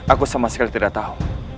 aku sama sekali tidak tahu